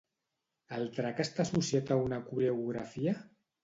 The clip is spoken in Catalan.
El drac està associat a una coreografia?